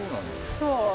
そう。